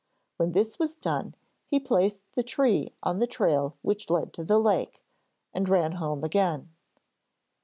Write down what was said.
When this was done he placed the tree on the trail which led to the lake, and ran home again.